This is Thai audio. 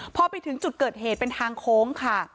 พอไปถึงจุดเกิดเหตุเป็นทางโค้งค่ะ